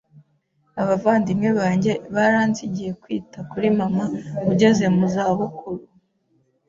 Abavandimwe banjye baransigiye kwita kuri mama ugeze mu za bukuru.